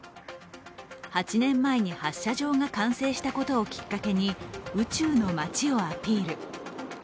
８年前に発射場が完成したことをきっかけに宇宙の街をアピール。